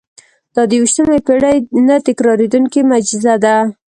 دا د یوویشتمې پېړۍ نه تکرارېدونکې معجزه ده.